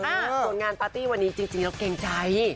ส่วนงานปาร์ตี้วันนี้จริงเราเกรงใจ